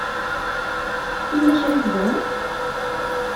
Yella kra i teẓṛam?